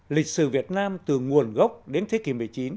lịch sử việt nam từ nguồn gốc đến thế kỷ một mươi chín